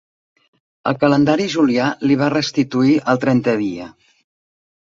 El calendari julià li va restituir el trentè dia.